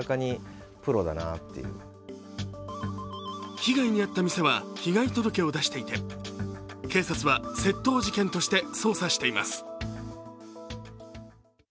被害に遭った店は被害届を出していて警察は窃盗事件として捜査しています。